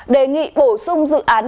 đề nghị bổ sung dự án